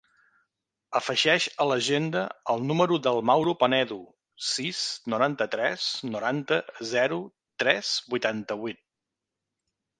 Afegeix a l'agenda el número del Mauro Penedo: sis, noranta-tres, noranta, zero, tres, vuitanta-vuit.